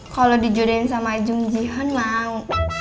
kalau dijodohin sama jumjihan mau